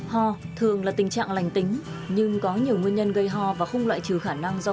ho thường là tình trạng lành tính nhưng có nhiều nguyên nhân gây ho và không loại trừ khả năng do